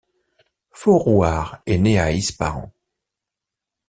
Forouhar est né à Ispahan.